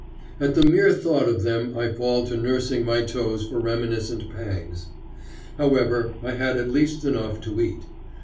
At the mere thought of them I fall to nursing my toes for reminiscent pangs. However, I had at least enough to eat.